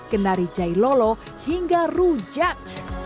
kendari jai lolo hingga rujak